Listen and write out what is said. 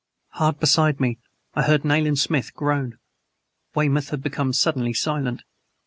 Hard beside me I heard Nayland Smith groan, Weymouth had become suddenly silent.